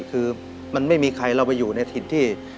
คือมันไม่มีใครเราไปอยู่ในถิ่นที่